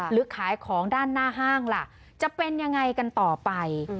หรือขายของด้านหน้าห้างล่ะจะเป็นยังไงกันต่อไป